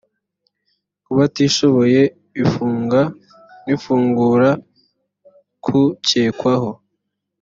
ku batishoboye ifunga n ifungura k ukekwaho